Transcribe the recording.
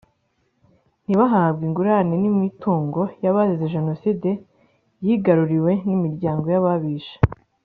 ntibahabwe ingurane n imitungo y abazize Jenoside yigaruriwe n imiryango y ababishe